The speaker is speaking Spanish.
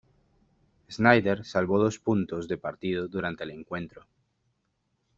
Snyder salvó dos puntos de partido durante el encuentro.